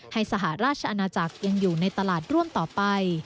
สหราชอาณาจักรยังอยู่ในตลาดร่วมต่อไป